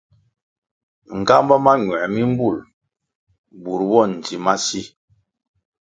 Nğámbá mañuer mi mbul bur bo ndzi ma si.